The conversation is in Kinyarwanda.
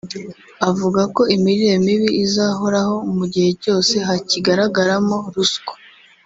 avuga ko imirire mibi izahoraho mu gihe cyose hakigaragaramo ruswa